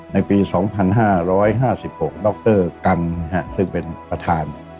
ในปี๒๕๕๖ดรกันซึ่งเป็นประธาน